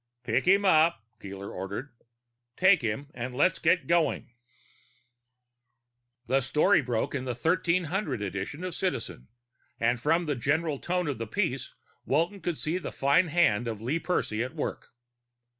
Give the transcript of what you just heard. "Pick him up," Keeler ordered. "Take him and let's get going." The story broke in the 1300 edition of Citizen, and from the general tone of the piece Walton could see the fine hand of Lee Percy at work.